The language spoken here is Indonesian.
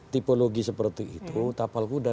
tipologi seperti itu tapal kuda